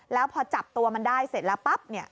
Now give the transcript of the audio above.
แล้วพอจับตัวมันได้เสร็จแล้วปั๊บเนี่ย